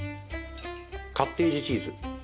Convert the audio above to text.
カッテージチーズ。